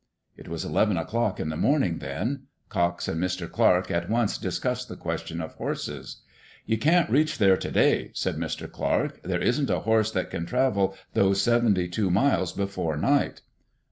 It was eleven o'clock in the morning then. Cox and Mr. Clarke at once discussed the question of horses. "You can't reach there today," said Mr. Clarke. "There isn't a horse that can travel those seventy two miles before night."